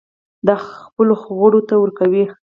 دا خپلو غړو ته ورکوي.